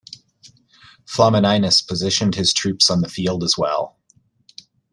Flamininus positioned his troops on the field as well.